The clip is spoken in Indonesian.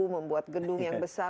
membuat gedung yang besar